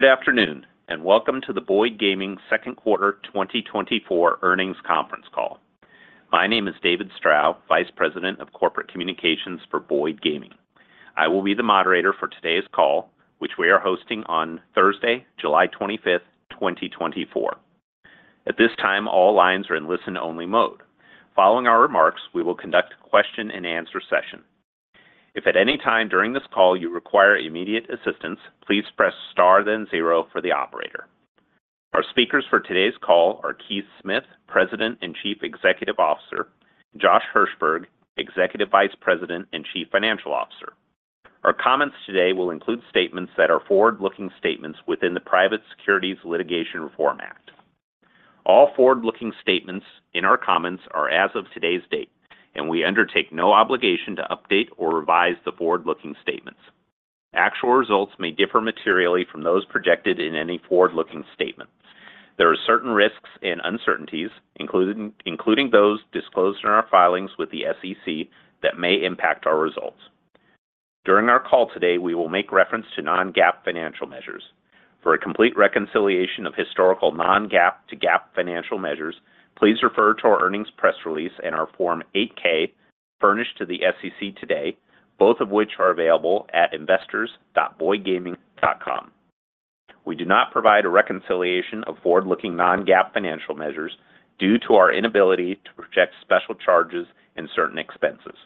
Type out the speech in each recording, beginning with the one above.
Good afternoon, and welcome to the Boyd Gaming Second Quarter 2024 Earnings Conference Call. My name is David Strow, Vice President of Corporate Communications for Boyd Gaming. I will be the moderator for today's call, which we are hosting on Thursday, July 25th, 2024. At this time, all lines are in listen-only mode. Following our remarks, we will conduct a question-and-answer session. If at any time during this call you require immediate assistance, please press star, then zero for the operator. Our speakers for today's call are Keith Smith, President and Chief Executive Officer, Josh Hirsberg, Executive Vice President and Chief Financial Officer. Our comments today will include statements that are forward-looking statements within the Private Securities Litigation Reform Act. All forward-looking statements in our comments are as of today's date, and we undertake no obligation to update or revise the forward-looking statements. Actual results may differ materially from those projected in any forward-looking statement. There are certain risks and uncertainties, including those disclosed in our filings with the SEC, that may impact our results. During our call today, we will make reference to non-GAAP financial measures. For a complete reconciliation of historical non-GAAP to GAAP financial measures, please refer to our earnings press release and our Form 8-K furnished to the SEC today, both of which are available at investors.boydgaming.com. We do not provide a reconciliation of forward-looking non-GAAP financial measures due to our inability to project special charges and certain expenses.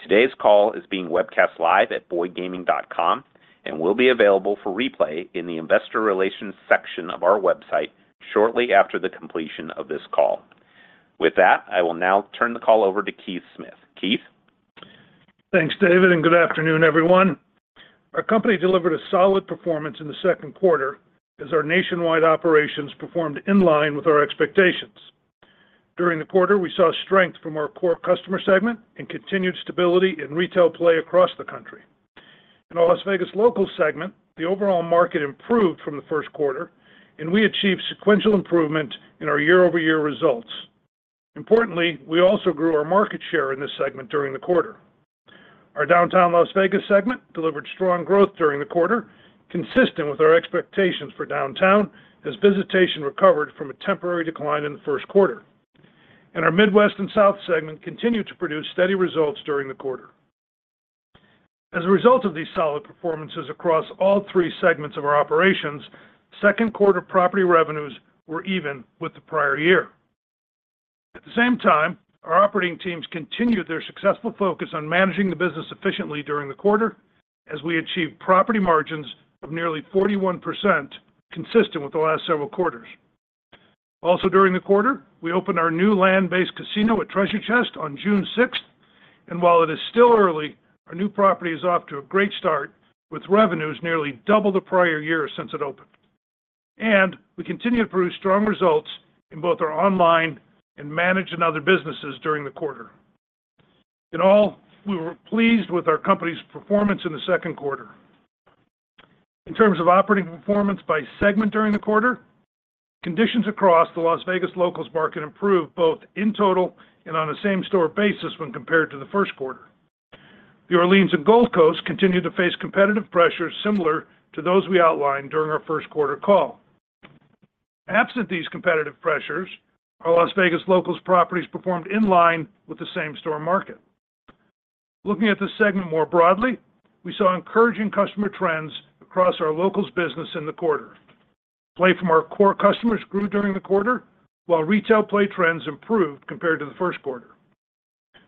Today's call is being webcast live at boydgaming.com and will be available for replay in the Investor Relations section of our website shortly after the completion of this call. With that, I will now turn the call over to Keith Smith. Keith? Thanks, David, and good afternoon, everyone. Our company delivered a solid performance in the second quarter as our nationwide operations performed in line with our expectations. During the quarter, we saw strength from our core customer segment and continued stability in retail play across the country. In our Las Vegas Locals segment, the overall market improved from the first quarter, and we achieved sequential improvement in our year-over-year results. Importantly, we also grew our market share in this segment during the quarter. Our Downtown Las Vegas segment delivered strong growth during the quarter, consistent with our expectations for Downtown, as visitation recovered from a temporary decline in the first quarter. Our Midwest and South segment continued to produce steady results during the quarter. As a result of these solid performances across all three segments of our operations, second quarter property revenues were even with the prior year. At the same time, our operating teams continued their successful focus on managing the business efficiently during the quarter, as we achieved property margins of nearly 41%, consistent with the last several quarters. Also, during the quarter, we opened our new land-based casino at Treasure Chest on June sixth, and while it is still early, our new property is off to a great start, with revenues nearly double the prior year since it opened. And we continued to produce strong results in both our Online and Managed and Other businesses during the quarter. In all, we were pleased with our company's performance in the second quarter. In terms of operating performance by segment during the quarter, conditions across the Las Vegas Locals market improved both in total and on a same-store basis when compared to the first quarter. The Orleans and Gold Coast continued to face competitive pressures similar to those we outlined during our first quarter call. Absent these competitive pressures, our Las Vegas Locals properties performed in line with the same-store market. Looking at the segment more broadly, we saw encouraging customer trends across our Locals business in the quarter. Play from our core customers grew during the quarter, while retail play trends improved compared to the first quarter.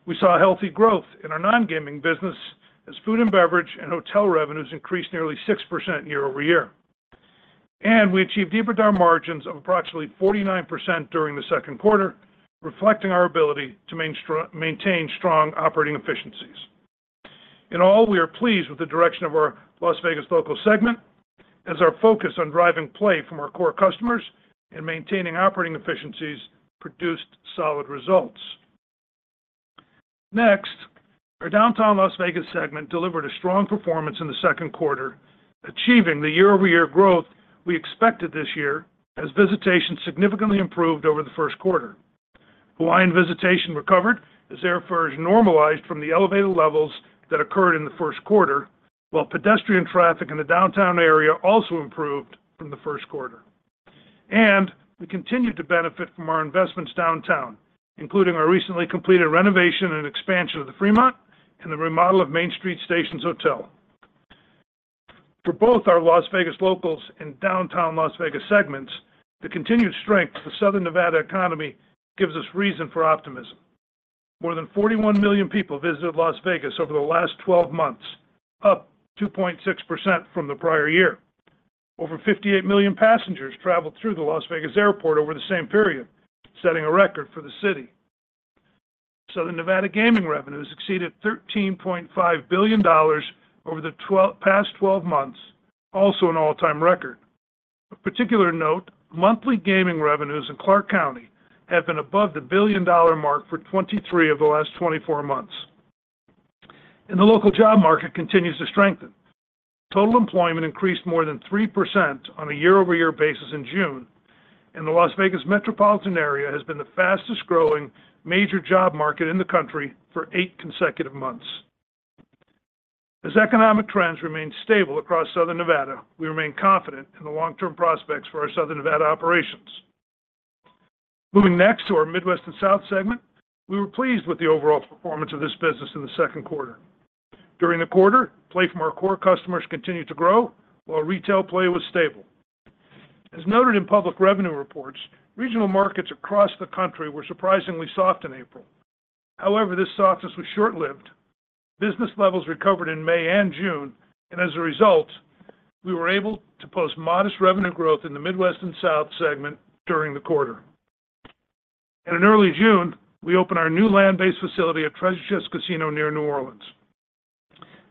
We saw healthy growth in our non-gaming business as food and beverage and hotel revenues increased nearly 6% year-over-year. We achieved EBITDA margins of approximately 49% during the second quarter, reflecting our ability to maintain strong operating efficiencies. In all, we are pleased with the direction of our Las Vegas Locals segment as our focus on driving play from our core customers and maintaining operating efficiencies produced solid results. Next, our Downtown Las Vegas segment delivered a strong performance in the second quarter, achieving the year-over-year growth we expected this year as visitation significantly improved over the first quarter. Hawaiian visitation recovered as airfares normalized from the elevated levels that occurred in the first quarter, while pedestrian traffic in the downtown area also improved from the first quarter. We continued to benefit from our investments downtown, including our recently completed renovation and expansion of the Fremont and the remodel of Main Street Station's hotel. For both our Las Vegas Locals and Downtown Las Vegas segments, the continued strength of the Southern Nevada economy gives us reason for optimism. More than 41 million people visited Las Vegas over the last 12 months, up 2.6% from the prior year. Over 58 million passengers traveled through the Las Vegas Airport over the same period, setting a record for the city. Southern Nevada gaming revenues exceeded $13.5 billion over the past 12 months, also an all-time record. Of particular note, monthly gaming revenues in Clark County have been above the billion-dollar mark for 23 of the last 24 months. The local job market continues to strengthen. Total employment increased more than 3% on a year-over-year basis in June, and the Las Vegas metropolitan area has been the fastest-growing major job market in the country for eight consecutive months. As economic trends remain stable across Southern Nevada, we remain confident in the long-term prospects for our Southern Nevada operations. Moving next to our Midwest and South segment, we were pleased with the overall performance of this business in the second quarter. During the quarter, play from our core customers continued to grow, while retail play was stable. As noted in public revenue reports, regional markets across the country were surprisingly soft in April. However, this softness was short-lived. Business levels recovered in May and June, and as a result, we were able to post modest revenue growth in the Midwest and South segment during the quarter. In early June, we opened our new land-based facility at Treasure Chest Casino near New Orleans.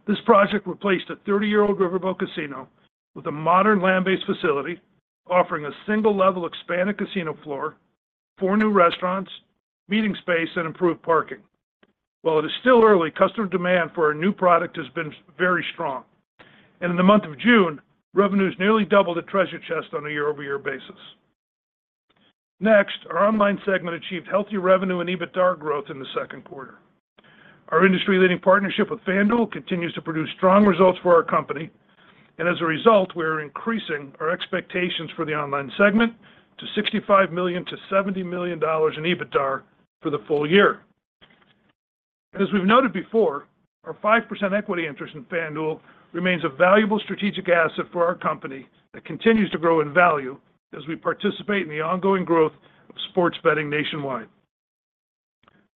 This project replaced a 30-year-old riverboat casino with a modern land-based facility, offering a single-level expanded casino floor, four new restaurants, meeting space, and improved parking. While it is still early, customer demand for our new product has been very strong, and in the month of June, revenues nearly doubled at Treasure Chest on a year-over-year basis. Next, our online segment achieved healthy revenue and EBITDA growth in the second quarter. Our industry-leading partnership with FanDuel continues to produce strong results for our company, and as a result, we are increasing our expectations for the online segment to $65 million-$70 million in EBITDA for the full year. As we've noted before, our 5% equity interest in FanDuel remains a valuable strategic asset for our company that continues to grow in value as we participate in the ongoing growth of sports betting nationwide.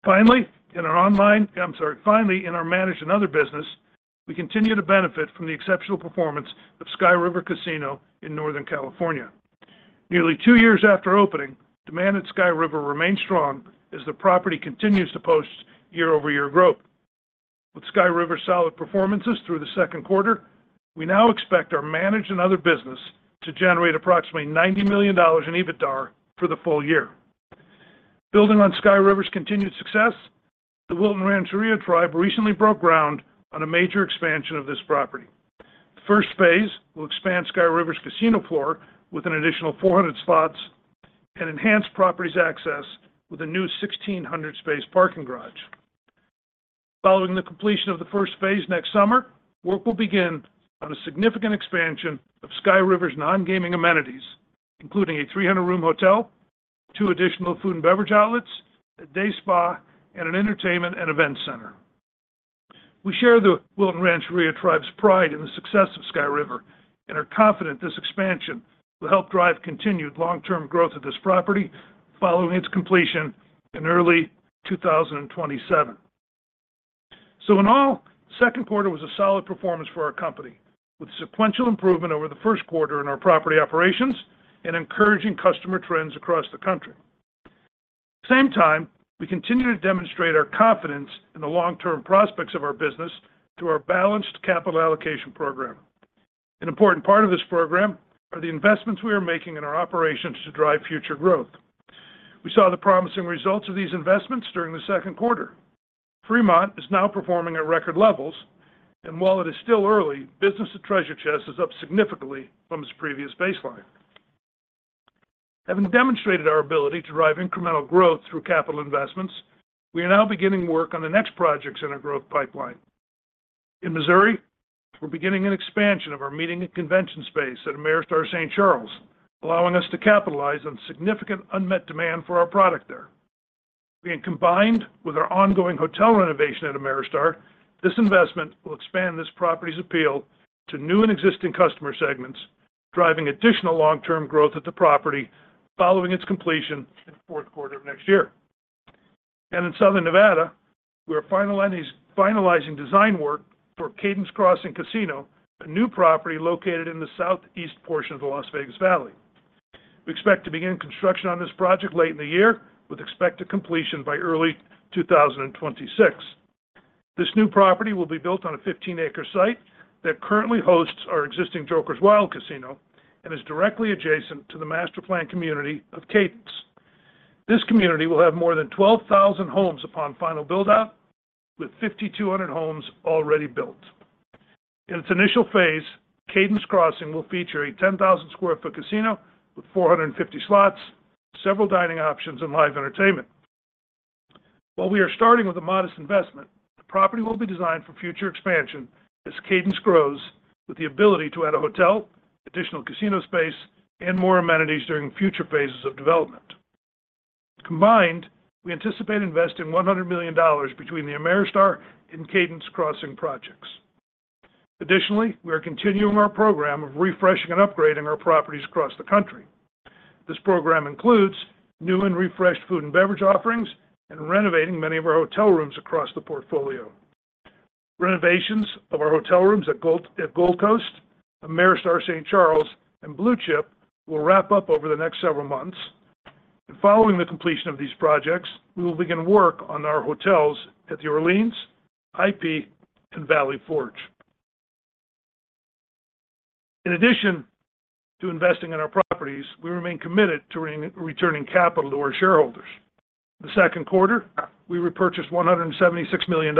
Finally, in our online, I'm sorry. Finally, in our Managed and Other business, we continue to benefit from the exceptional performance of Sky River Casino in Northern California. Nearly two years after opening, demand at Sky River remains strong as the property continues to post year-over-year growth. With Sky River's solid performances through the second quarter, we now expect our Managed and Other business to generate approximately $90 million in EBITDA for the full year. Building on Sky River's continued success, the Wilton Rancheria Tribe recently broke ground on a major expansion of this property. The first phase will expand Sky River's casino floor with an additional 400 slots and enhance property's access with a new 1,600-space parking garage. Following the completion of the first phase next summer, work will begin on a significant expansion of Sky River's nongaming amenities, including a 300-room hotel, two additional food and beverage outlets, a day spa, and an entertainment and event center. We share the Wilton Rancheria Tribe's pride in the success of Sky River and are confident this expansion will help drive continued long-term growth of this property following its completion in early 2027. So in all, second quarter was a solid performance for our company, with sequential improvement over the first quarter in our property operations and encouraging customer trends across the country. At the same time, we continue to demonstrate our confidence in the long-term prospects of our business through our balanced capital allocation program. An important part of this program are the investments we are making in our operations to drive future growth. We saw the promising results of these investments during the second quarter. Fremont is now performing at record levels, and while it is still early, business at Treasure Chest is up significantly from its previous baseline. Having demonstrated our ability to drive incremental growth through capital investments, we are now beginning work on the next projects in our growth pipeline. In Missouri, we're beginning an expansion of our meeting and convention space at Ameristar St. Charles, allowing us to capitalize on significant unmet demand for our product there. Being combined with our ongoing hotel renovation at Ameristar, this investment will expand this property's appeal to new and existing customer segments, driving additional long-term growth at the property following its completion in the fourth quarter of next year. In Southern Nevada, we are finalizing design work for Cadence Crossing Casino, a new property located in the southeast portion of the Las Vegas Valley. We expect to begin construction on this project late in the year, with expected completion by early 2026. This new property will be built on a 15-acre site that currently hosts our existing Jokers Wild Casino and is directly adjacent to the master planned community of Cadence. This community will have more than 12,000 homes upon final build-out, with 5,200 homes already built. In its initial phase, Cadence Crossing will feature a 10,000 sq ft casino with 450 slots, several dining options, and live entertainment. While we are starting with a modest investment, the property will be designed for future expansion as Cadence grows, with the ability to add a hotel, additional casino space, and more amenities during future phases of development. Combined, we anticipate investing $100 million between the Ameristar and Cadence Crossing projects. Additionally, we are continuing our program of refreshing and upgrading our properties across the country. This program includes new and refreshed food and beverage offerings and renovating many of our hotel rooms across the portfolio. Renovations of our hotel rooms at Gold Coast, Ameristar St. Charles, and Blue Chip will wrap up over the next several months. Following the completion of these projects, we will begin work on our hotels at the Orleans, IP, and Valley Forge. In addition to investing in our properties, we remain committed to returning capital to our shareholders. The second quarter, we repurchased $176 million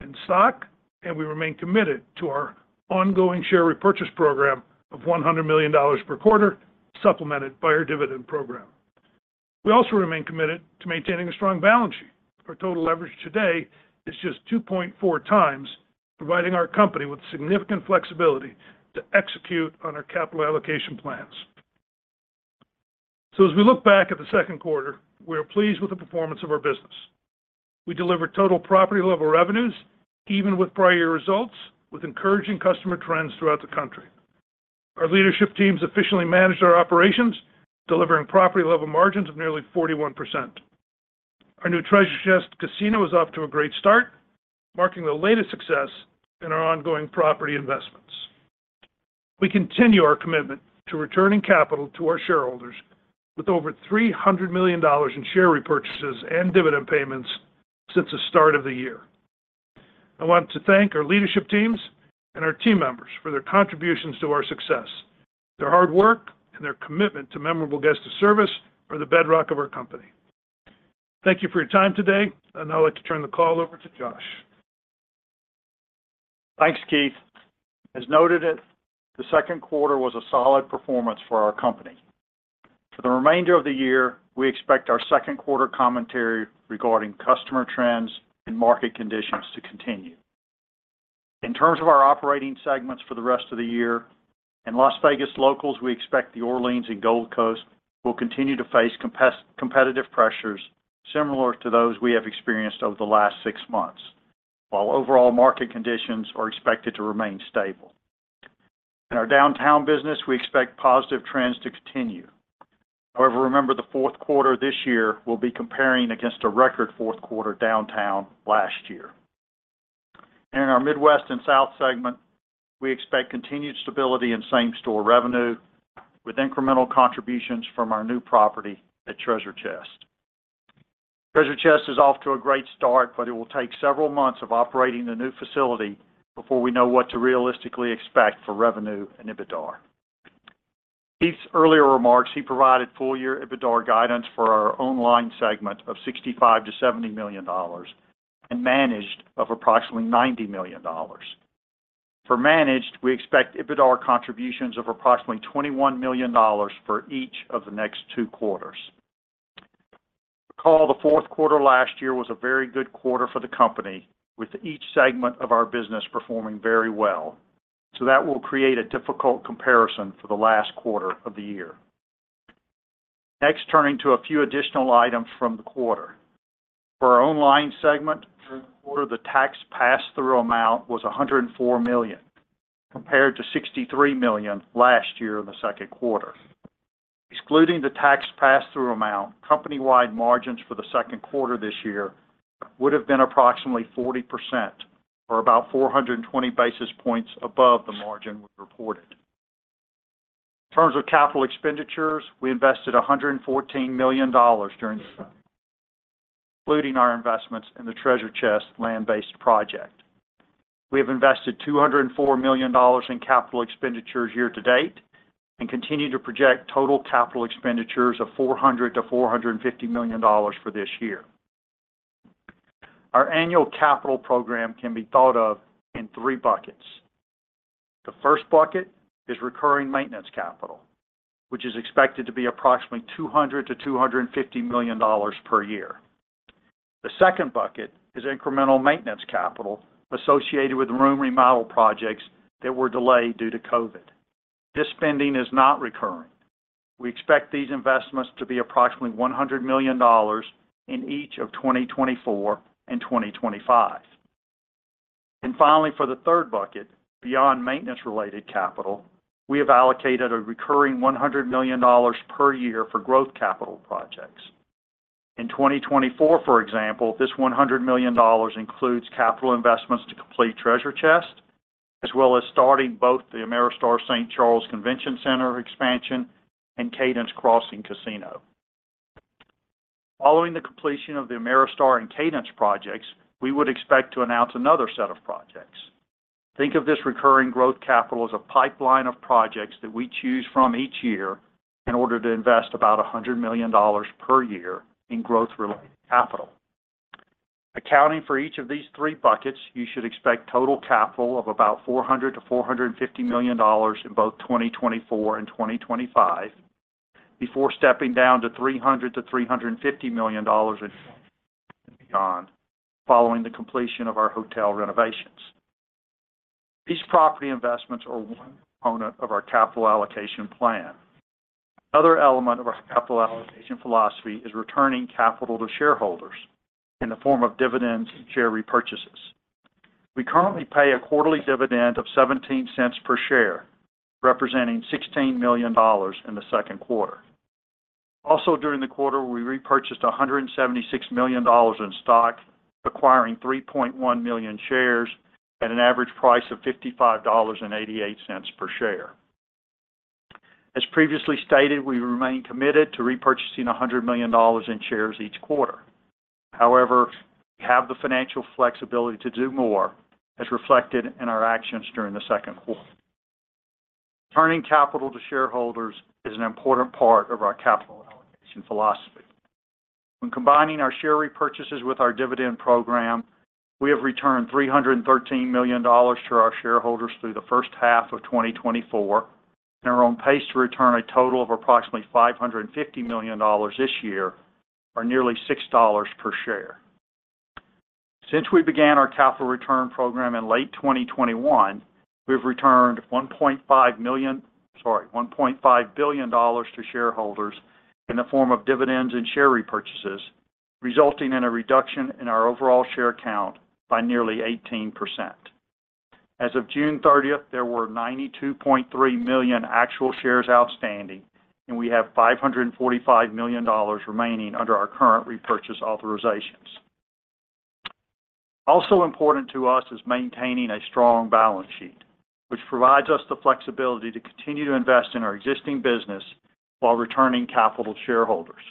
in stock, and we remain committed to our ongoing share repurchase program of $100 million per quarter, supplemented by our dividend program. We also remain committed to maintaining a strong balance sheet. Our total leverage today is just 2.4x, providing our company with significant flexibility to execute on our capital allocation plans. So as we look back at the second quarter, we are pleased with the performance of our business. We delivered total property level revenues, even with prior year results, with encouraging customer trends throughout the country. Our leadership teams efficiently managed our operations, delivering property-level margins of nearly 41%. Our new Treasure Chest Casino is off to a great start, marking the latest success in our ongoing property investments. We continue our commitment to returning capital to our shareholders with over $300 million in share repurchases and dividend payments since the start of the year. I want to thank our leadership teams and our team members for their contributions to our success. Their hard work and their commitment to memorable guest service are the bedrock of our company. Thank you for your time today, and I'd like to turn the call over to Josh. Thanks, Keith. As noted, it, the second quarter was a solid performance for our company. For the remainder of the year, we expect our second quarter commentary regarding customer trends and market conditions to continue. In terms of our operating segments for the rest of the year, in Las Vegas Locals, we expect the Orleans and Gold Coast will continue to face competitive pressures similar to those we have experienced over the last six months, while overall market conditions are expected to remain stable. In our Downtown business, we expect positive trends to continue. However, remember the fourth quarter this year will be comparing against a record fourth quarter Downtown last year. In our Midwest and South segment, we expect continued stability in same-store revenue with incremental contributions from our new property at Treasure Chest. Treasure Chest is off to a great start, but it will take several months of operating the new facility before we know what to realistically expect for revenue and EBITDA. Keith's earlier remarks. He provided full year EBITDA guidance for our online segment of $65 million-$70 million and managed of approximately $90 million. For Managed, we expect EBITDA contributions of approximately $21 million for each of the next two quarters. Recall, the fourth quarter last year was a very good quarter for the company, with each segment of our business performing very well, so that will create a difficult comparison for the last quarter of the year. Next, turning to a few additional items from the quarter. For our Online segment, during the quarter, the tax pass-through amount was $104 million, compared to $63 million last year in the second quarter. Excluding the tax pass-through amount, company-wide margins for the second quarter this year would have been approximately 40% or about 420 basis points above the margin we reported. In terms of capital expenditures, we invested $114 million during the quarter, including our investments in the Treasure Chest land-based project. We have invested $204 million in capital expenditures year to date, and continue to project total capital expenditures of $400 million-$450 million for this year. Our annual capital program can be thought of in three buckets. The first bucket is recurring maintenance capital, which is expected to be approximately $200 million-$250 million per year. The second bucket is incremental maintenance capital associated with room remodel projects that were delayed due to COVID. This spending is not recurring. We expect these investments to be approximately $100 million in each of 2024 and 2025. Finally, for the third bucket, beyond maintenance-related capital, we have allocated a recurring $100 million per year for growth capital projects. In 2024, for example, this $100 million includes capital investments to complete Treasure Chest, as well as starting both the Ameristar St. Charles Convention Center expansion and Cadence Crossing Casino. Following the completion of the Ameristar and Cadence projects, we would expect to announce another set of projects. Think of this recurring growth capital as a pipeline of projects that we choose from each year in order to invest about $100 million per year in growth-related capital. Accounting for each of these three buckets, you should expect total capital of about $400 million-$450 million in both 2024 and 2025, before stepping down to $300 million-$350 million and beyond, following the completion of our hotel renovations. These property investments are one component of our capital allocation plan. Other element of our capital allocation philosophy is returning capital to shareholders in the form of dividends and share repurchases. We currently pay a quarterly dividend of $0.17 per share, representing $16 million in the second quarter. Also, during the quarter, we repurchased $176 million in stock, acquiring 3.1 million shares at an average price of $55.88 per share. As previously stated, we remain committed to repurchasing $100 million in shares each quarter. However, we have the financial flexibility to do more, as reflected in our actions during the second quarter. Returning capital to shareholders is an important part of our capital philosophy. When combining our share repurchases with our dividend program, we have returned $313 million to our shareholders through the first half of 2024, and are on pace to return a total of approximately $550 million this year, or nearly $6 per share. Since we began our capital return program in late 2021, we've returned $1.5 million, sorry, $1.5 billion to shareholders in the form of dividends and share repurchases, resulting in a reduction in our overall share count by nearly 18%. As of June 30th, there were 92.3 million actual shares outstanding, and we have $545 million remaining under our current repurchase authorizations. Also important to us is maintaining a strong balance sheet, which provides us the flexibility to continue to invest in our existing business while returning capital to shareholders.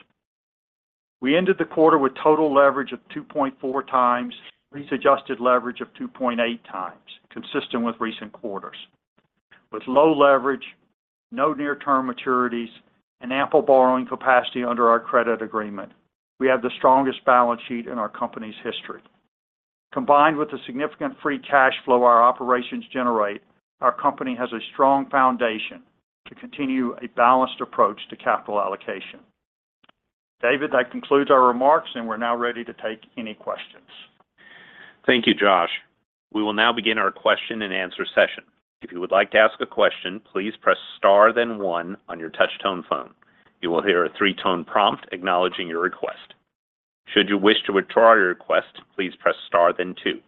We ended the quarter with total leverage of 2.4x, readjusted leverage of 2.8x, consistent with recent quarters. With low leverage, no near-term maturities, and ample borrowing capacity under our credit agreement, we have the strongest balance sheet in our company's history. Combined with the significant free cash flow our operations generate, our company has a strong foundation to continue a balanced approach to capital allocation. David, that concludes our remarks, and we're now ready to take any questions. Thank you, Josh. We will now begin our question-and-answer session. If you would like to ask a question, please press star then one on your touch-tone phone. You will hear a three-tone prompt acknowledging your request. Should you wish to withdraw your request, please press star then two.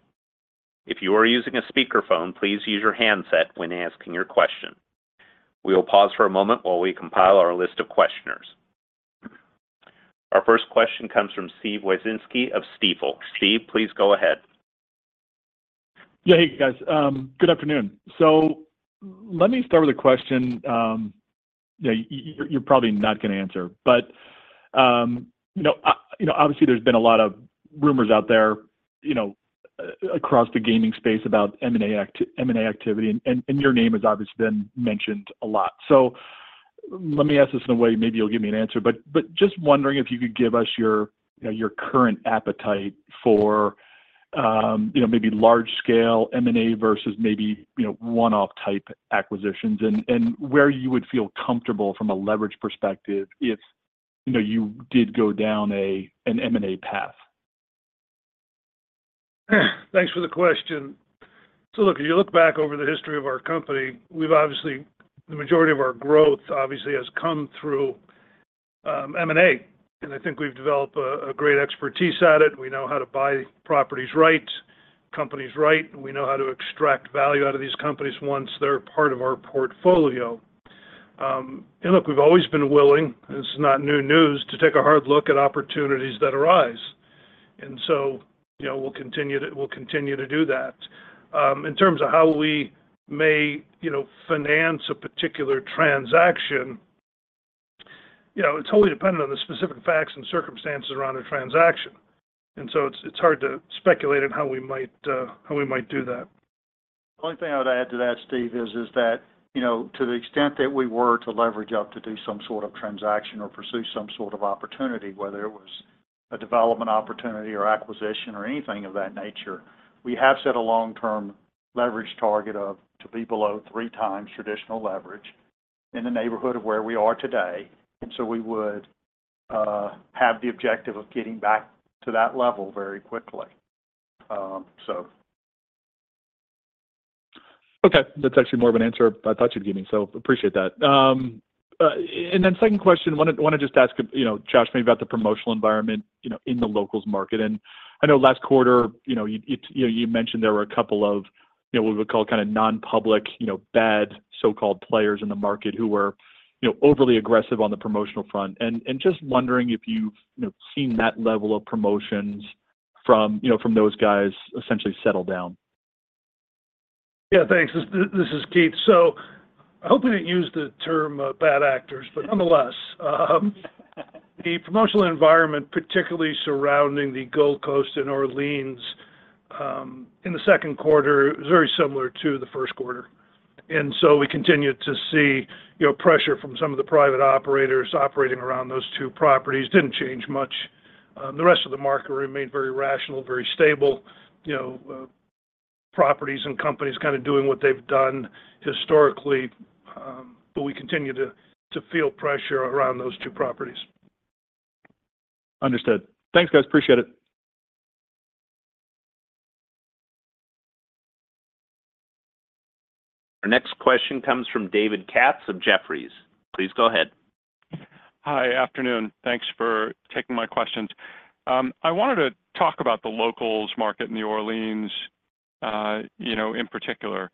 If you are using a speakerphone, please use your handset when asking your question. We will pause for a moment while we compile our list of questioners. Our first question comes from Steve Wieczynski of Stifel. Steve, please go ahead. Yeah, hey, guys. Good afternoon. So let me start with a question, that you're probably not going to answer, but, you know, obviously, there's been a lot of rumors out there, you know, across the gaming space about M&A activity, and, and your name has obviously been mentioned a lot. So let me ask this in a way, maybe you'll give me an answer, but, but just wondering if you could give us your, you know, your current appetite for, maybe large-scale M&A versus maybe, you know, one-off type acquisitions, and, and where you would feel comfortable from a leverage perspective if, you know, you did go down an M&A path? Thanks for the question. So look, if you look back over the history of our company, we've obviously, the majority of our growth, obviously, has come through M&A, and I think we've developed a great expertise at it. We know how to buy properties right, companies right, and we know how to extract value out of these companies once they're part of our portfolio. And look, we've always been willing, it's not new news, to take a hard look at opportunities that arise. And so, you know, we'll continue to do that. In terms of how we may, you know, finance a particular transaction, you know, it's wholly dependent on the specific facts and circumstances around a transaction, and so it's, it's hard to speculate on how we might, how we might do that. The only thing I would add to that, Steve, is that, you know, to the extent that we were to leverage up to do some sort of transaction or pursue some sort of opportunity, whether it was a development opportunity or acquisition or anything of that nature, we have set a long-term leverage target of to be below 3x traditional leverage in the neighborhood of where we are today, and so we would have the objective of getting back to that level very quickly. Okay, that's actually more of an answer I thought you'd give me, so appreciate that. And then second question, I wanna just ask, you know, Josh, maybe about the promotional environment, you know, in the locals market. And just wondering if you've, you know, seen that level of promotions from, you know, from those guys essentially settle down? Yeah, thanks. This is Keith. So I hope we didn't use the term, bad actors, but nonetheless, the promotional environment, particularly surrounding the Gold Coast and Orleans, in the second quarter, was very similar to the first quarter. And so we continued to see, you know, pressure from some of the private operators operating around those two properties. Didn't change much. The rest of the market remained very rational, very stable, you know, properties and companies kind of doing what they've done historically, but we continue to feel pressure around those two properties. Understood. Thanks, guys. Appreciate it. Our next question comes from David Katz of Jefferies. Please go ahead. Hi. Afternoon. Thanks for taking my questions. I wanted to talk about the locals market in New Orleans, you know, in particular,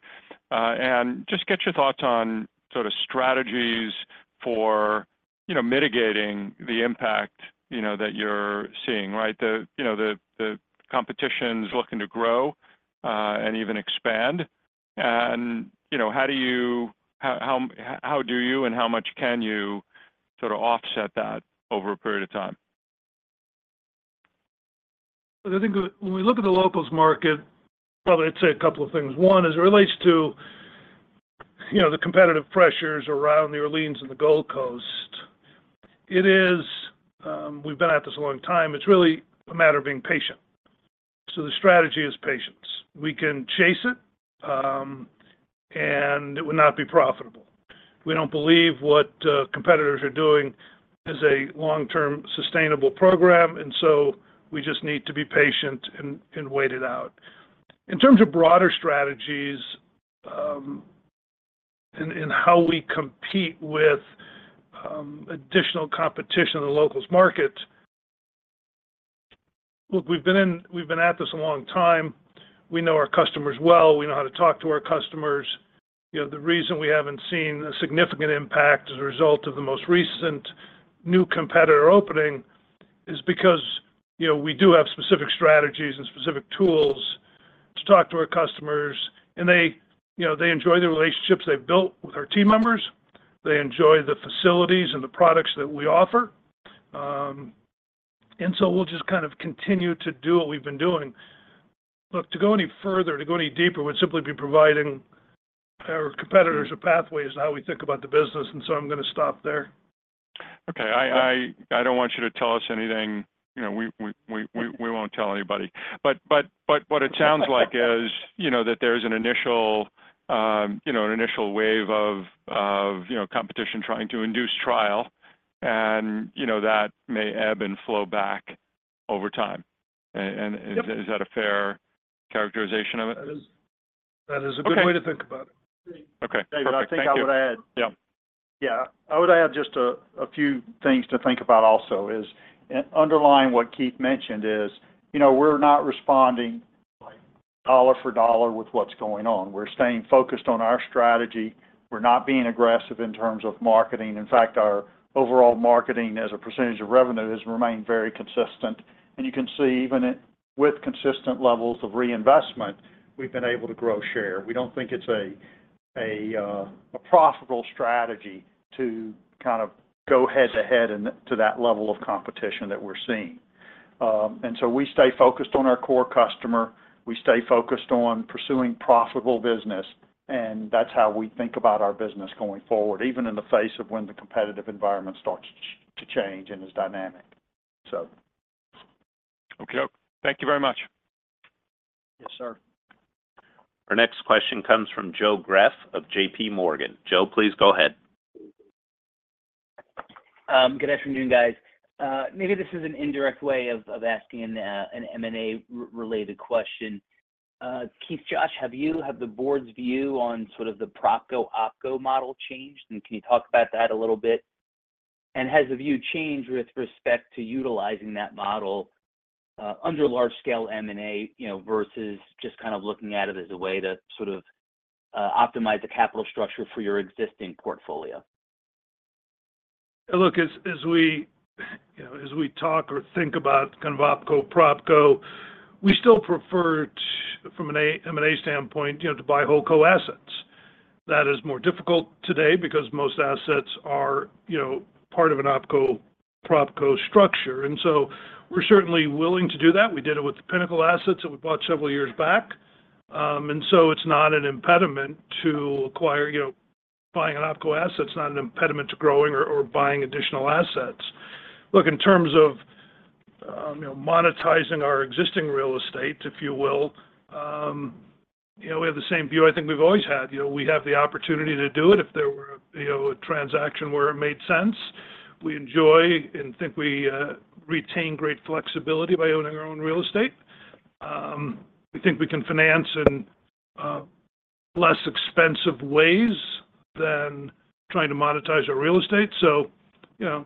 and just get your thoughts on sort of strategies for mitigating the impact, you know, that you're seeing, right? The, you know, the competition's looking to grow, and even expand and, you know, how do you and how much can you sort of offset that over a period of time? But I think when we look at the locals market, well, I'd say a couple of things. One, as it relates to, you know, the competitive pressures around New Orleans and the Gold Coast, it is, we've been at this a long time. It's really a matter of being patient. So the strategy is patience. We can chase it, and it would not be profitable. We don't believe what, competitors are doing is a long-term sustainable program, and so we just need to be patient and, and wait it out. In terms of broader strategies, and, and how we compete with additional competition in the locals market, look, we've been at this a long time. We know our customers well. We know how to talk to our customers. You know, the reason we haven't seen a significant impact as a result of the most recent new competitor opening is because, you know, we do have specific strategies and specific tools to talk to our customers, and they, you know, they enjoy the relationships they've built with our team members. They enjoy the facilities and the products that we offer. And so we'll just kind of continue to do what we've been doing. Look, to go any further, to go any deeper, would simply be providing our competitors a pathway as to how we think about the business, and so I'm gonna stop there. Okay. I don't want you to tell us anything. You know, we won't tell anybody. But what it sounds like is, you know, that there's an initial, you know, an initial wave of, you know, competition trying to induce trial, and haven't flown back overtime. Is that a fair characterization of it? Okay. That is a good way to think about it. Okay, perfect. Thank you. David, I think I would add. Yeah. Yeah, I would add just a few things to think about also is, and underlying what Keith mentioned is, you know, we're not responding dollar for dollar with what's going on. We're staying focused on our strategy. We're not being aggressive in terms of marketing. In fact, our overall marketing as a percentage of revenue has remained very consistent. And you can see, even at with consistent levels of reinvestment, we've been able to grow share. We don't think it's a profitable strategy to kind of go head-to-head in to that level of competition that we're seeing. And so we stay focused on our core customer, we stay focused on pursuing profitable business, and that's how we think about our business going forward, even in the face of when the competitive environment starts to change and is dynamic. Okay. Thank you very much. Yes, sir. Our next question comes from Joe Greff of JPMorgan. Joe, please go ahead. Good afternoon, guys. Maybe this is an indirect way of asking an M&A related question. Keith, Josh, have you, have the board's view on sort of the PropCo, OpCo model changed, and can you talk about that a little bit? And has the view changed with respect to utilizing that model under large-scale M&A, you know, versus just kind of looking at it as a way to sort of optimize the capital structure for your existing portfolio? Look, as we, you know, as we talk or think about kind of OpCo, PropCo, we still prefer from an M&A standpoint, you know, to buy WholeCo assets. That is more difficult today because most assets are, you know, part of an OpCo, PropCo structure, and so we're certainly willing to do that. We did it with the Pinnacle assets that we bought several years back. And so it's not an impediment to acquire, you know, buying an OpCo asset. It's not an impediment to growing or buying additional assets. Look, in terms of monetizing our existing real estate, if you will, you know, we have the same view I think we've always had. You know, we have the opportunity to do it if there were a transaction where it made sense. We enjoy and think we retain great flexibility by owning our own real estate. We think we can finance in less expensive ways than trying to monetize our real estate. So, you know,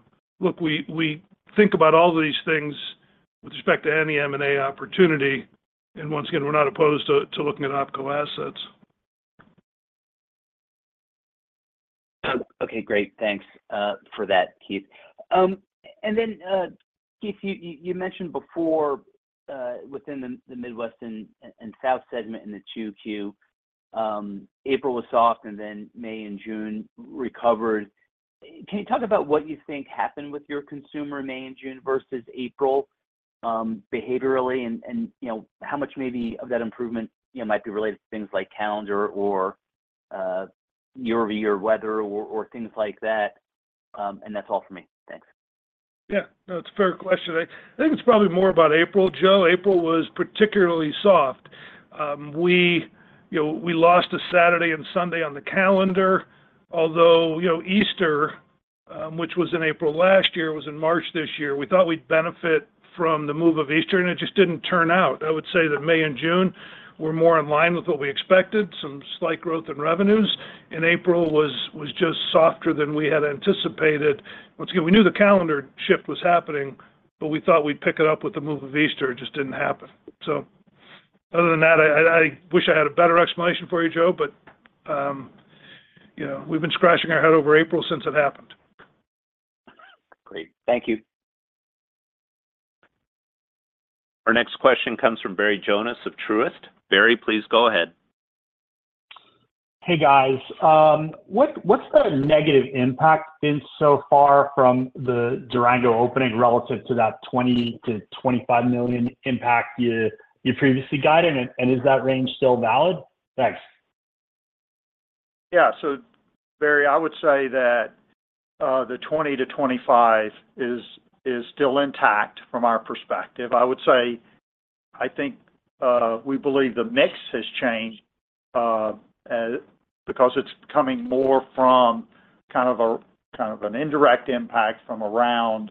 =we think about all these things with respect to any M&A opportunity, and once again, we're not opposed to looking at OpCo assets. Okay, great. Thanks, for that, Keith. And then, Keith, you mentioned before within the Midwest and South segment in the 2Q, April was soft and then May and June recovered. Can you talk about what you think happened with your consumer in May and June versus April, behaviorally and you know, how much maybe of that improvement, you know, might be related to things like calendar year-over-year weather or things like that? And that's all for me. Thanks. Yeah, no, it's a fair question. I think it's probably more about April, Joe. April was particularly soft. We, you know, we lost a Saturday and Sunday on the calendar, although, you know, Easter, which was in April last year, was in March this year. We thought we'd benefit from the move of Easter, and it just didn't turn out. I would say that May and June were more in line with what we expected, some slight growth in revenues, and April was just softer than we had anticipated. Once again, we knew the calendar shift was happening, but we thought we'd pick it up with the move of Easter. It just didn't happen. So other than that, I wish I had a better explanation for you, Joe, but, you know, we've been scratching our head over April since it happened. Great. Thank you. Our next question comes from Barry Jonas of Truist. Barry, please go ahead. Hey, guys. What's the negative impact been so far from the Durango opening relative to that $20 million-$25 million impact you previously guided? And is that range still valid? Thanks. Yeah. So Barry, I would say that the $20 million-$25 million is still intact from our perspective. I would say, I think we believe the mix has changed because it's coming more from kind of an indirect impact from around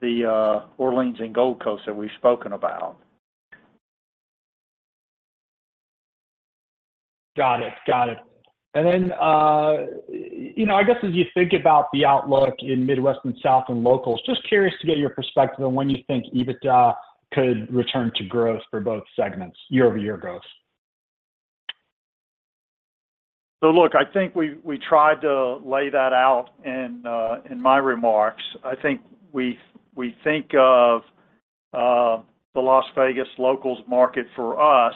the Orleans and Gold Coast that we've spoken about. Got it. Got it. And then, you know, I guess, as you think about the outlook in Midwest and South and Locals, just curious to get your perspective on when you think EBITDA could return to growth for both segments, year-over-year growth? So look, I think we, we tried to lay that out in, in my remarks. I think we think of the Las Vegas Locals market for us,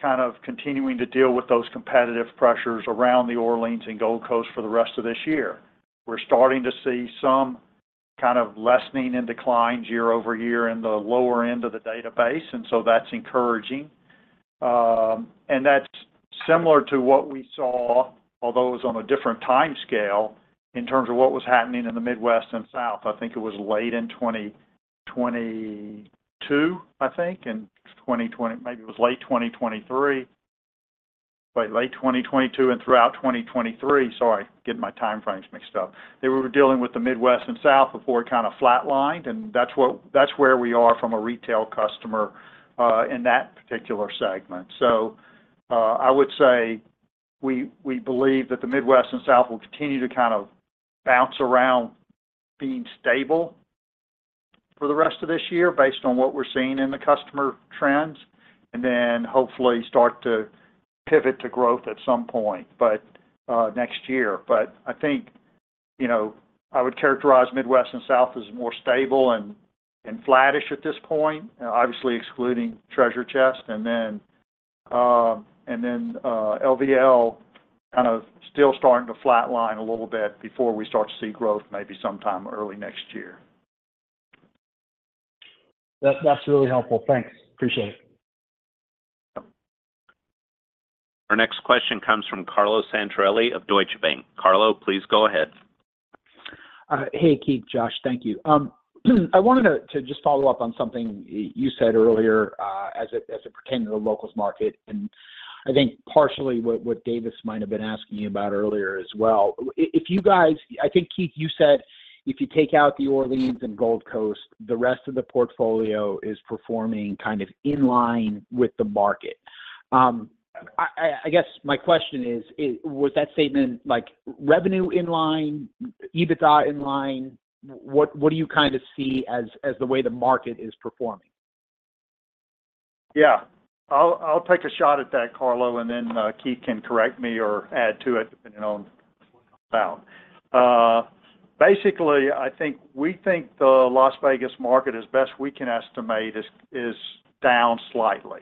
kind of continuing to deal with those competitive pressures around the Orleans and Gold Coast for the rest of this year. We're starting to see some kind of lessening in declines year-over-year in the lower end of the database, and so that's encouraging. And that's similar to what we saw, although it was on a different time scale, in terms of what was happening in the Midwest and South. I think it was late in 2022, I think, in 2022. Maybe it was late 2023. Wait, late 2022 and throughout 2023. Sorry, getting my time frames mixed up. They were dealing with the Midwest and South before it kind of flatlined, and that's where we are from a retail customer in that particular segment. So, I would say we believe that the Midwest and South will continue to kind of bounce around, being stable for the rest of this year, based on what we're seeing in the customer trends, and then hopefully start to pivot to growth at some point, but next year. But I think, you know, I would characterize Midwest and South as more stable and flattish at this point, obviously excluding Treasure Chest. And then, LVL kind of still starting to flatline a little bit before we start to see growth, maybe sometime early next year. That's really helpful. Thanks. Appreciate it. Our next question comes from Carlo Santarelli of Deutsche Bank. Carlo, please go ahead. Hey, Keith, Josh, thank you. I wanted to just follow up on something you said earlier, as it pertained to the locals market, and I think partially what David might have been asking you about earlier as well. If you guys, I think Keith, you said, if you take out the Orleans and Gold Coast, the rest of the portfolio is performing kind of in line with the market. I guess my question is: was that statement, like, revenue in line, EBITDA in line? What do you kind of see as the way the market is performing? Yeah. I'll take a shot at that, Carlo, and then Keith can correct me or add to it, depending on what I'm about. Basically, I think we think the Las Vegas market, as best we can estimate, is down slightly,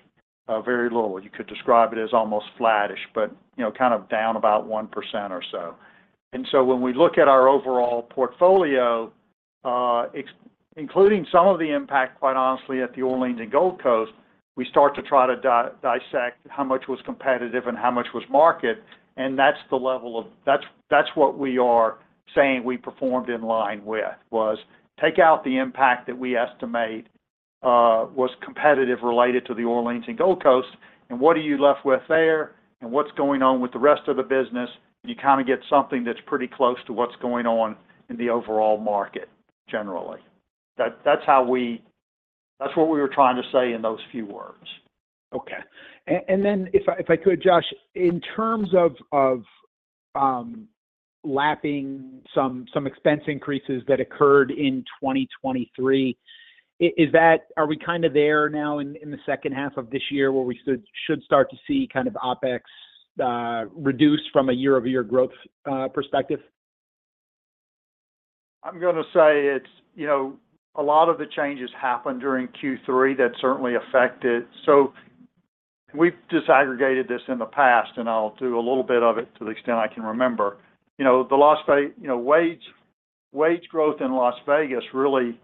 very little. You could describe it as almost flattish, but, you know, kind of down about 1% or so. And so when we look at our overall portfolio, excluding some of the impact, quite honestly, at the Orleans and Gold Coast, we start to try to dissect how much was competitive and how much was market, and that's the level of, that's what we are saying we performed in line with, was take out the impact that we estimate was competitive related to the Orleans and Gold Coast, and what are you left with there, and what's going on with the rest of the business? You kind of get something that's pretty close to what's going on in the overall market, generally. That how we, that's what we were trying to say in those few words. Okay. And then if I could, Josh, in terms of lapping some expense increases that occurred in 2023, are we kind of there now in the second half of this year, where we should start to see kind of OpEx reduce from a year-over-year growth perspective? I'm gonna say it's, you know, a lot of the changes happened during Q3 that certainly affected. So we've disaggregated this in the past, and I'll do a little bit of it to the extent I can remember. You know, the Las Vegas, you know, wage growth in Las Vegas really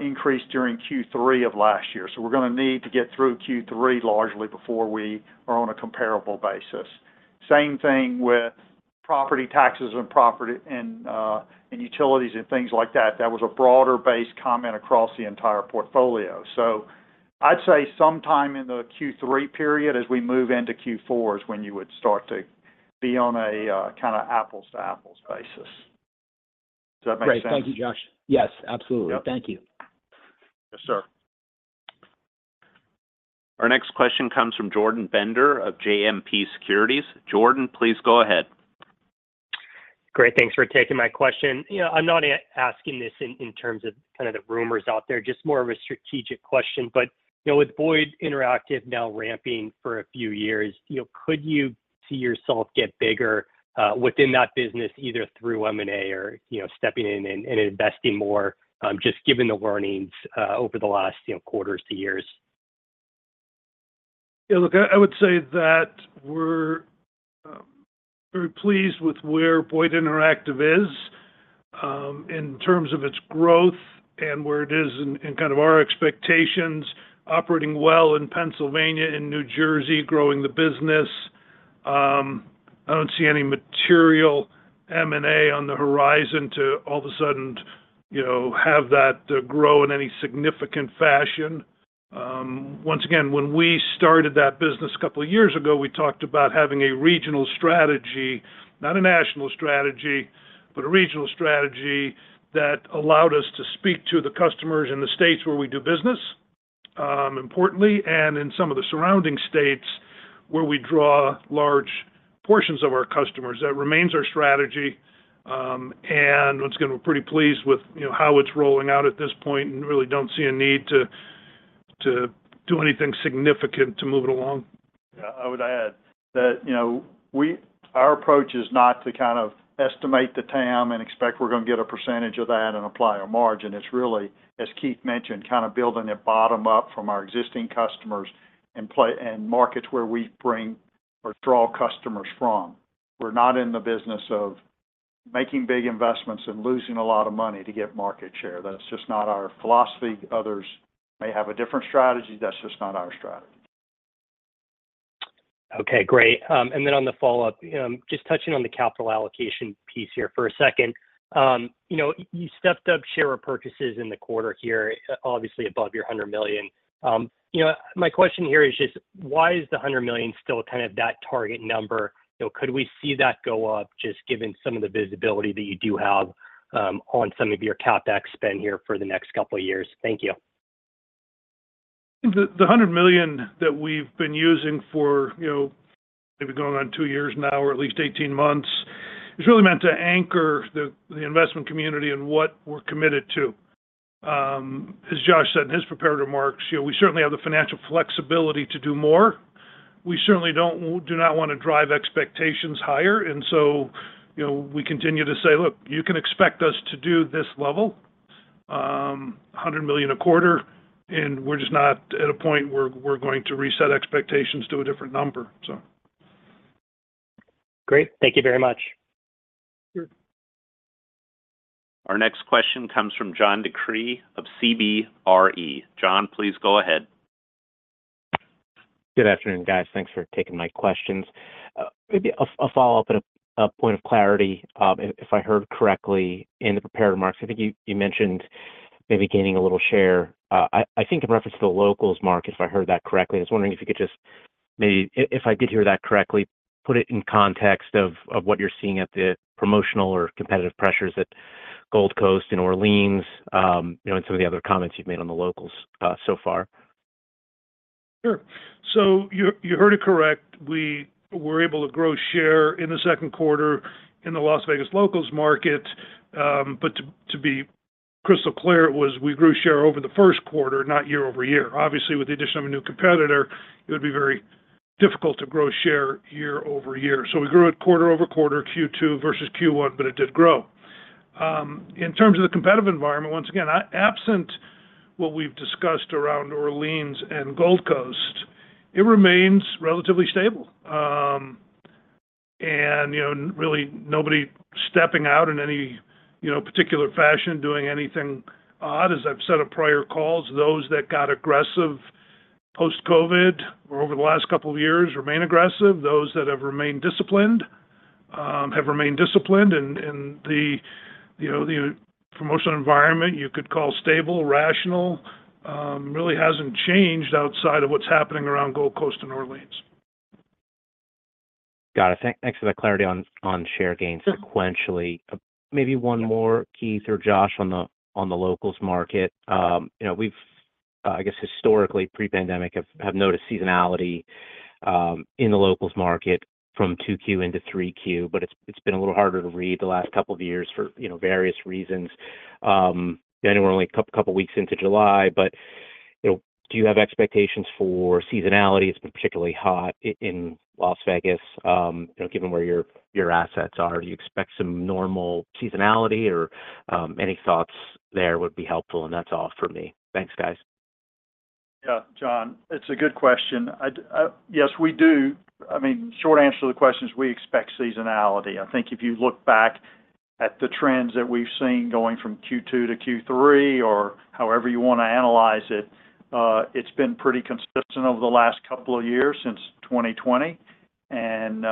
increased during Q3 of last year. So we're gonna need to get through Q3 largely before we are on a comparable basis. Same thing with property taxes and property and utilities and things like that. That was a broader-based comment across the entire portfolio. So I'd say sometime in the Q3 period, as we move into Q4, is when you would start to be on a kind of apples-to-apples basis. Does that make sense? Great. Thank you, Josh. Yes, absolutely. Yep. Thank you. Yes, sir. Our next question comes from Jordan Bender of JMP Securities. Jordan, please go ahead. Great. Thanks for taking my question. You know, I'm not asking this in terms of kind of the rumors out there, just more of a strategic question. But, you know, with Boyd Interactive now ramping for a few years, you know, could you see yourself get bigger within that business, either through M&A or, you know, stepping in and investing more, just given the learnings over the last quarters to years? Yeah, look, I would say that we're very pleased with where Boyd Interactive is in terms of its growth and where it is in kind of our expectations, operating well in Pennsylvania and New Jersey, growing the business. I don't see any material M&A on the horizon to all of a sudden, you know, have that grow in any significant fashion. Once again, when we started that business a couple of years ago, we talked about having a regional strategy, not a national strategy, but a regional strategy that allowed us to speak to the customers in the states where we do business, importantly, and in some of the surrounding states where we draw large portions of our customers. That remains our strategy. Once again, we're pretty pleased with, you know, how it's rolling out at this point, and really don't see a need to do anything significant to move it along. Yeah, I would add that, you know, our approach is not to kind of estimate the TAM and expect we're gonna get a percentage of that and apply a margin. It's really, as Keith mentioned, kind of building it bottom up from our existing customers and markets where we bring or draw customers from. We're not in the business of making big investments and losing a lot of money to get market share. That's just not our philosophy. Others may have a different strategy, that's just not our strategy. Okay, great. And then on the follow-up, just touching on the capital allocation piece here for a second. You know, you stepped up share repurchases in the quarter here, obviously above your $100 million. You know, my question here is just, why is the $100 million still kind of that target number? You know, could we see that go up, just given some of the visibility that you do have, on some of your CapEx spend here for the next couple of years? Thank you. The hundred million that we've been using for, you know, maybe going on two years now, or at least 18 months, is really meant to anchor the investment community in what we're committed to. As Josh said in his prepared remarks, you know, we certainly have the financial flexibility to do more. We certainly do not want to drive expectations higher, and so, you know, we continue to say, "Look, you can expect us to do this level, $100 million a quarter," and we're just not at a point where we're going to reset expectations to a different number, so. Great. Thank you very much. Sure. Our next question comes from John DeCree of CBRE. John, please go ahead. Good afternoon, guys. Thanks for taking my questions. Maybe a follow-up and a point of clarity. If I heard correctly in the prepared remarks, I think you mentioned maybe gaining a little share. I think in reference to the locals market, if I heard that correctly. I was wondering if you could just maybe, if I did hear that correctly, put it in context of what you're seeing at the promotional or competitive pressures at Gold Coast and Orleans, you know, and some of the other comments you've made on the locals, so far. Sure. So you heard it correct. We were able to grow share in the second quarter in the Las Vegas locals market. But to be crystal clear, it was we grew share over the first quarter, not year-over-year. Obviously, with the addition of a new competitor, it would be very difficult to grow share year-over-year. So we grew it quarter-over-quarter, Q2 versus Q1, but it did grow. In terms of the competitive environment, once again, I, absent what we've discussed around Orleans and Gold Coast, it remains relatively stable. And, you know, really nobody stepping out in any, you know, particular fashion, doing anything odd. As I've said on prior calls, those that got aggressive post-COVID or over the last couple of years remain aggressive. Those that have remained disciplined have remained disciplined, and, you know, the promotional environment you could call stable, rational really hasn't changed outside of what's happening around Gold Coast and Orleans. Got it. Thanks for the clarity on share gains sequentially. Maybe one more, Keith or Josh, on the locals market. You know, we've, I guess, historically, pre-pandemic, have noticed seasonality in the locals market from 2Q into 3Q, but it's been a little harder to read the last couple of years for, you know, various reasons. I know we're only a couple weeks into July, but, you know, do you have expectations for seasonality? It's been particularly hot in Las Vegas. You know, given where your assets are, do you expect some normal seasonality or, any thoughts there would be helpful, and that's all for me. Thanks, guys. Yeah, John, it's a good question. Yes, we do. I mean, short answer to the question is we expect seasonality. I think if you look back at the trends that we've seen going from Q2 to Q3 or however you want to analyze it, it's been pretty consistent over the last couple of years, since 2020. And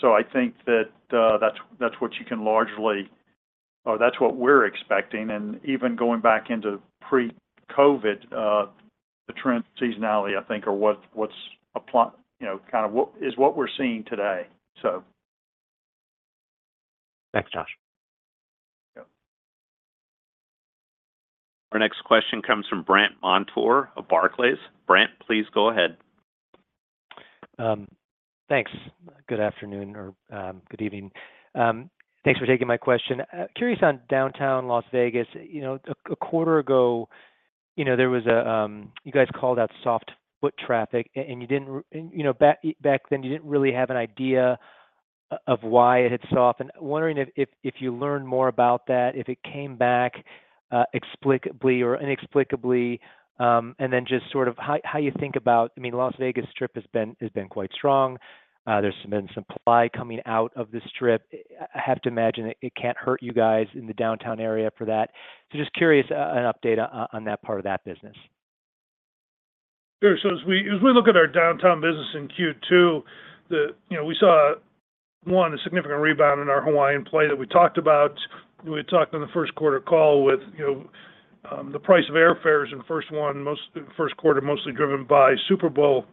so I think that, that's what you can largely or that's what we're expecting. And even going back into pre-COVID, the trend seasonality, I think, are what's applies you know, kind of what is what we're seeing today, so. Thanks, Josh. Yeah. Our next question comes from Brandt Montour of Barclays. Brandt, please go ahead. Thanks. Good afternoon or good evening. Thanks for taking my question. Curious on Downtown Las Vegas, you know, a quarter ago, you know, there was you guys called out soft foot traffic, and you know, back then, you didn't really have an idea of why it had softened. Wondering if you learned more about that, if it came back explainably or inexplicably, and then just sort of how you think about - I mean, Las Vegas Strip has been quite strong. There's been some supply coming out of the Strip. I have to imagine it can't hurt you guys in the downtown area for that. So just curious, an update on that part of that business. Sure. So as we look at our downtown business in Q2, you know, we saw a significant rebound in our Hawaiian play that we talked about. We talked on the first quarter call with, you know, the price of airfares in the first quarter, mostly driven by Super Bowl,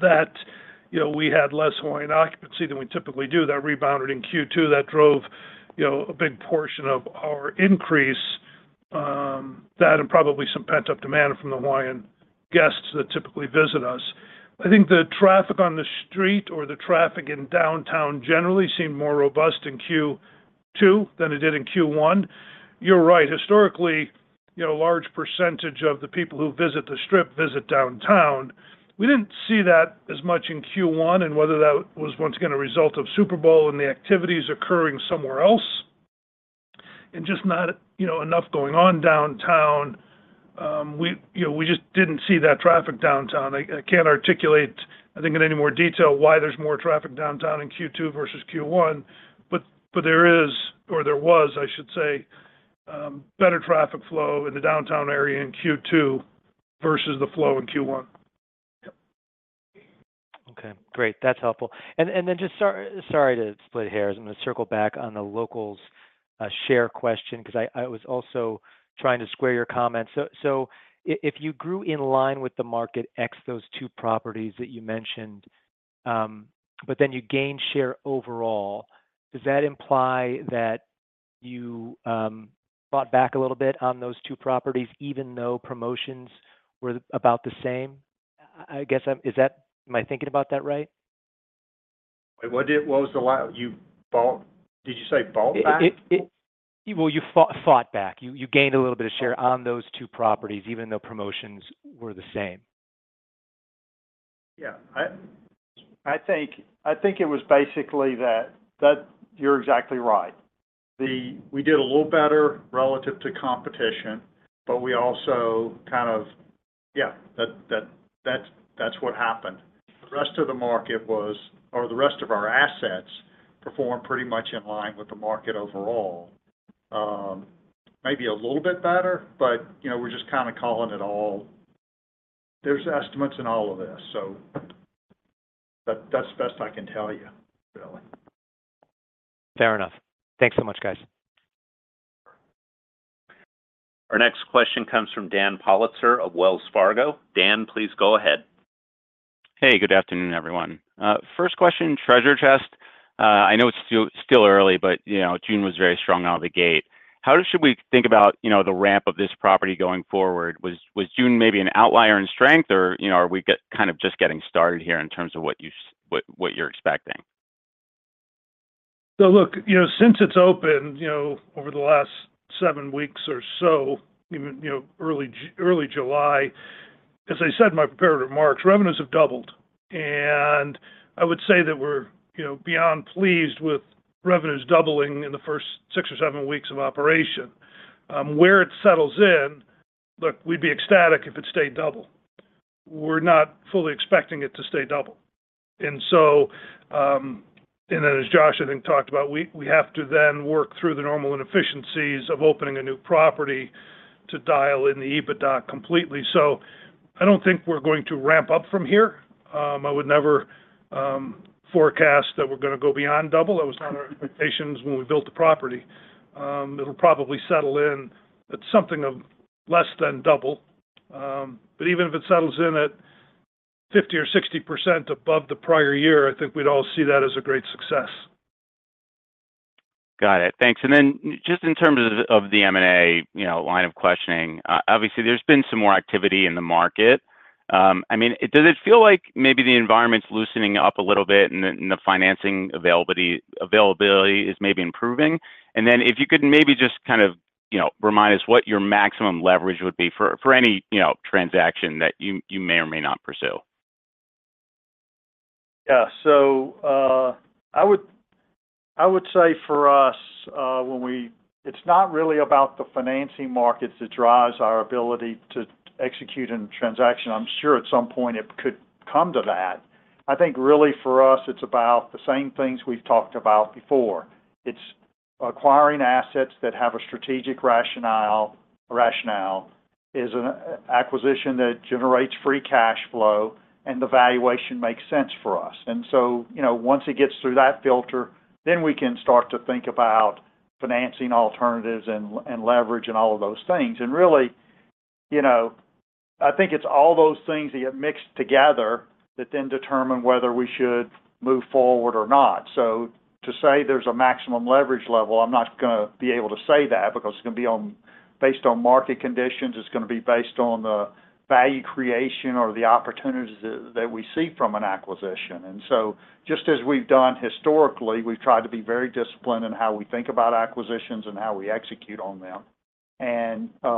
that, you know, we had less Hawaiian occupancy than we typically do. That rebounded in Q2, that drove, you know, a big portion of our increase, that and probably some pent-up demand from the Hawaiian guests that typically visit us. I think the traffic on the street or the traffic in downtown generally seemed more robust in Q2 than it did in Q1. You're right. Historically, you know, a large percentage of the people who visit the Strip visit downtown. We didn't see that as much in Q1, and whether that was, once again, a result of Super Bowl and the activities occurring somewhere else, and just not, you know, enough going on downtown, we, you know, we just didn't see that traffic downtown. I can't articulate, I think, in any more detail, why there's more traffic downtown in Q2 versus Q1, but there is, or there was, I should say, better traffic flow in the downtown area in Q2 versus the flow in Q1. Okay, great. That's helpful. And then just sorry to split hairs. I'm gonna circle back on the locals share question, because I was also trying to square your comments. So if you grew in line with the market, ex those two properties that you mentioned, but then you gained share overall, does that imply that you fought back a little bit on those two properties, even though promotions were about the same? I guess, is that am I thinking about that right? Wait, what was the last? Did you say fought back? Well, you fought back. You gained a little bit of share on those two properties, even though promotions were the same. Yeah. I think it was basically that you're exactly right. We did a little better relative to competition, but we also kind of yeah, that's what happened. The rest of the market was, or the rest of our assets performed pretty much in line with the market overall. Maybe a little bit better, but, you know, we're just kind of calling it all. There's estimates in all of this, so that's the best I can tell you, really. Fair enough. Thanks so much, guys. Our next question comes from Dan Politzer of Wells Fargo. Dan, please go ahead. Hey, good afternoon, everyone. First question, Treasure Chest. I know it's still early, but, you know, June was very strong out of the gate. How should we think about, you know, the ramp of this property going forward? Was June maybe an outlier in strength, or, you know, are we kind of just getting started here in terms of what you're expecting? So look, you know, since it's opened, you know, over the last seven weeks or so, even, you know, early July, as I said in my prepared remarks, revenues have doubled, and I would say that we're, you know, beyond pleased with revenues doubling in the first six or seven weeks of operation. Where it settles in, look, we'd be ecstatic if it stayed double. We're not fully expecting it to stay double. And so, and then as Josh, I think, talked about, we, we have to then work through the normal inefficiencies of opening a new property to dial in the EBITDA completely. So I don't think we're going to ramp up from here. I would never forecast that we're gonna go beyond double. That was not our expectations when we built the property. It'll probably settle in at something of less than double. But even if it settles in at 50% or 60% above the prior year, I think we'd all see that as a great success. Got it. Thanks. And then just in terms of the M&A, you know, line of questioning, obviously, there's been some more activity in the market. I mean, does it feel like maybe the environment's loosening up a little bit and the financing availability is maybe improving? And then if you could maybe just kind of, you know, remind us what your maximum leverage would be for any, you know, transaction that you may or may not pursue. Yeah. So, I would say for us, it's not really about the financing markets that drives our ability to execute in transaction. I'm sure at some point it could come to that. I think really for us, it's about the same things we've talked about before. It's acquiring assets that have a strategic rationale, is an acquisition that generates free cash flow, and the valuation makes sense for us. And so, you know, once it gets through that filter, then we can start to think about financing alternatives and leverage, and all of those things. And really, you know, I think it's all those things that get mixed together that then determine whether we should move forward or not. So to say there's a maximum leverage level, I'm not gonna be able to say that, because it's gonna be based on market conditions. It's gonna be based on the value creation or the opportunities that we see from an acquisition. And so, just as we've done historically, we've tried to be very disciplined in how we think about acquisitions and how we execute on them. And, you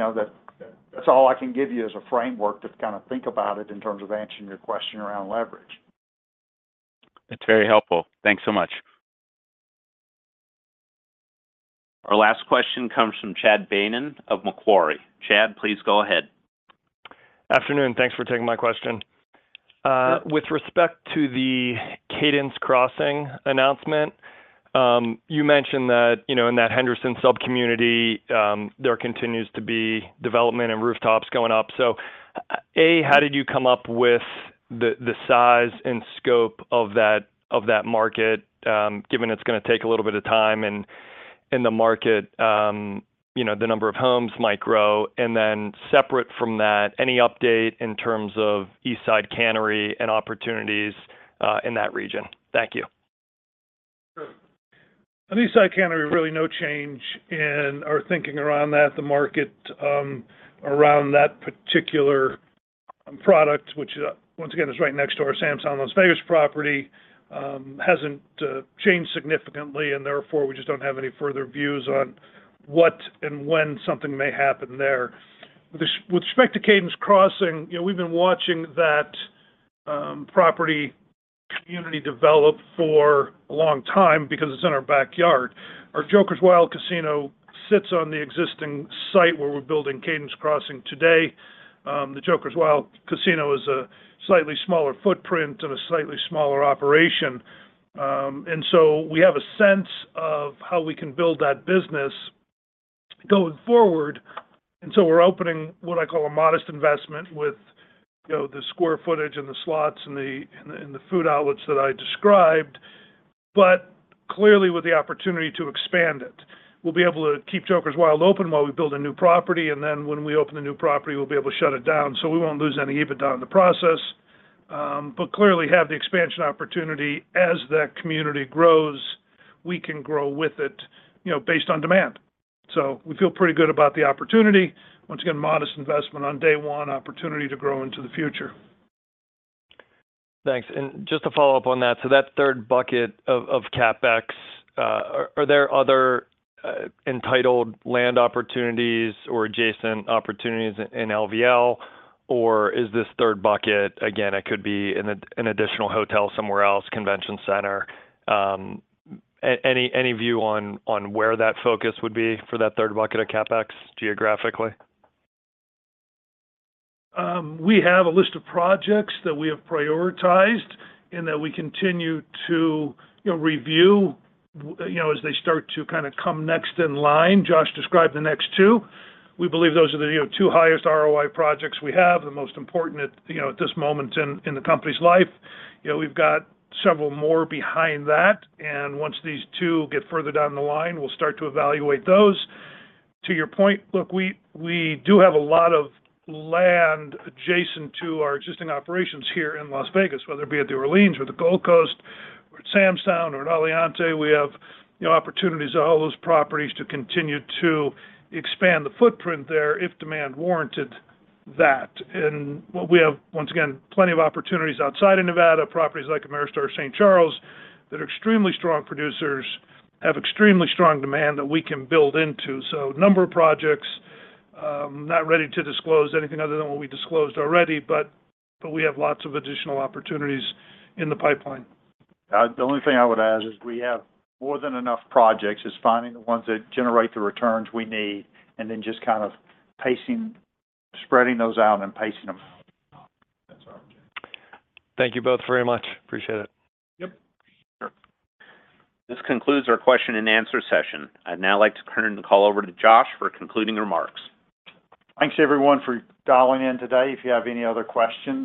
know, that's all I can give you is a framework to kind of think about it in terms of answering your question around leverage. That's very helpful. Thanks so much. Our last question comes from Chad Beynon of Macquarie. Chad, please go ahead. Afternoon, thanks for taking my question. With respect to the Cadence Crossing announcement, you mentioned that, you know, in that Henderson subcommunity, there continues to be development and rooftops going up. So, A, how did you come up with the, the size and scope of that, of that market, given it's gonna take a little bit of time and in the market, you know, the number of homes might grow? And then separate from that, any update in terms of Eastside Cannery and opportunities, in that region? Thank you. Sure. On Eastside Cannery, really no change in our thinking around that. The market around that particular product, which once again, is right next to our Sam's Town Las Vegas property, hasn't changed significantly, and therefore, we just don't have any further views on what and when something may happen there. With respect to Cadence Crossing, you know, we've been watching that property community develop for a long time because it's in our backyard. Our Jokers Wild Casino sits on the existing site where we're building Cadence Crossing today. The Jokers Wild Casino is a slightly smaller footprint and a slightly smaller operation. And so we have a sense of how we can build that business going forward, and so we're opening what I call a modest investment with, you know, the square footage and the slots and the food outlets that I described, but clearly with the opportunity to expand it. We'll be able to keep Jokers Wild open while we build a new property, and then when we open the new property, we'll be able to shut it down. So we won't lose any EBITDA in the process, but clearly have the expansion opportunity. As that community grows, we can grow with it, you know, based on demand. So we feel pretty good about the opportunity. Once again, modest investment on day one, opportunity to grow into the future. Thanks. And just to follow up on that, so that third bucket of CapEx, are there other entitled land opportunities or adjacent opportunities in LVL, or is this third bucket, again, it could be an additional hotel somewhere else, convention center? Any view on where that focus would be for that third bucket of CapEx geographically? We have a list of projects that we have prioritized and that we continue to, you know, review, you know, as they start to kind of come next in line. Josh described the next two. We believe those are the, you know, two highest ROI projects we have, the most important at, you know, at this moment in, in the company's life. You know, we've got several more behind that, and once these two get further down the line, we'll start to evaluate those. To your point, look, we, we do have a lot of land adjacent to our existing operations here in Las Vegas, whether it be at the Orleans or the Gold Coast or at Sam's Town or at Aliante. We have, you know, opportunities at all those properties to continue to expand the footprint there if demand warranted that. We have, once again, plenty of opportunities outside of Nevada, properties like Ameristar St. Charles, that are extremely strong producers, have extremely strong demand that we can build into. So number of projects, not ready to disclose anything other than what we disclosed already, but, but we have lots of additional opportunities in the pipeline. The only thing I would add is we have more than enough projects. It's finding the ones that generate the returns we need, and then just kind of pacing, spreading those out and pacing them out. Thank you both very much. Appreciate it. Yep. This concludes our question and answer session. I'd now like to turn the call over to Josh for concluding remarks. Thanks, everyone, for dialing in today. If you have any other questions.